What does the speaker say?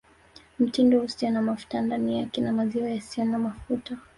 Mtindi usio na mafuta ndani yake na maziwa yasiyo na mafuta